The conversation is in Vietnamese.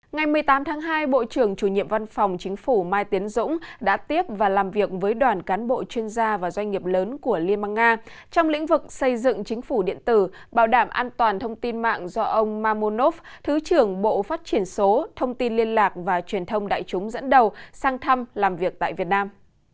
ngày một mươi tám tháng hai bộ trưởng chủ nhiệm văn phòng chính phủ mai tiến dũng đã tiếp và làm việc với đoàn cán bộ chuyên gia và doanh nghiệp lớn của liên bang nga trong lĩnh vực xây dựng chính phủ điện tử bảo đảm an toàn thông tin mạng do ông mamunov thứ trưởng bộ phát triển số thông tin liên lạc và truyền thông đại chúng dẫn đầu sang thăm làm việc tại việt nam